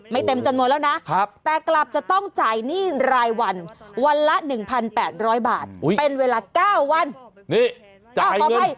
เต็มจำนวนแล้วนะแต่กลับจะต้องจ่ายหนี้รายวันวันละ๑๘๐๐บาทเป็นเวลา๙วันนี่ขออภัย